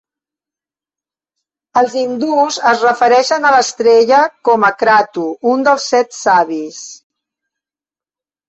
Els hindús es refereixen a l'estrella com a "Kratu", un dels set savis.